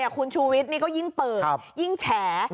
คุณชูวิตก็ยิ่งเปิดยิ่งแฉ